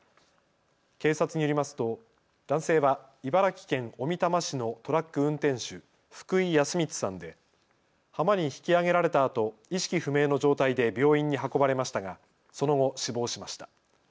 警察によりますと男性は茨城県小美玉市のトラック運転手、福井康光さんで浜に引きあげられたあと意識不明の状態で病院に運ばれましたがその後、死亡しました。